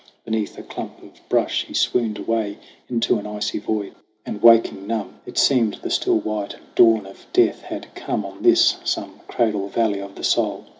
Beneath a clump of brush he swooned away Into an icy void ; and waking numb, It seemed the still white dawn of death had come On this, some cradle valley of the soul.